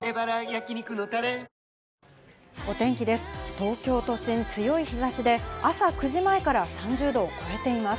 東京都心、強い日差しで朝９時前から３０度を超えています。